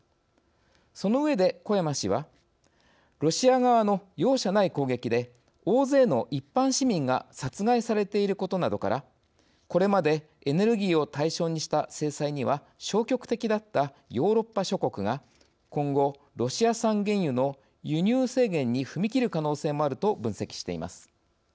その上で、小山氏はロシア側の容赦ない攻撃で大勢の一般市民が殺害されていることなどからこれまでエネルギーを対象にした制裁には消極的だったヨーロッパ諸国が今後、ロシア産原油の輸入制限に踏み切る可能性もあると分析しています。